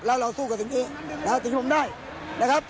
และเราสู้กับสิ่งนี้และสิ่งที่ผมได้นะครับ